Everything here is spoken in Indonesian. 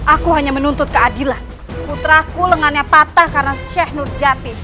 aku hanya menuntut keadilan putra ku lengannya patah karena sheikh nurjati